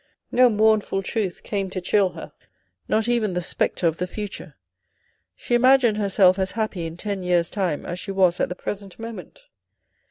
No mournful truth came to chill her, not even the spectre of the future. She imagined herself as happy in ten years' time as she was at the present moment.